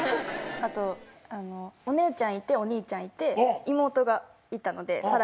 あとお姉ちゃんいてお兄ちゃんいて妹がいたので紗来が生まれる前に。